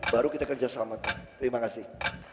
baru kita kerjasamakan terima kasih